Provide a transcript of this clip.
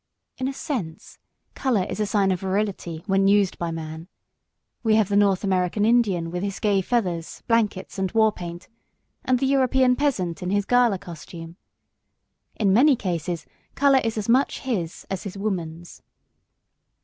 In a sense, colour is a sign of virility when used by man. We have the North American Indian with his gay feathers, blankets and war paint, and the European peasant in his gala costume. In many cases colour is as much his as his woman's.